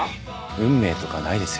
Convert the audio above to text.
運命とかないですよ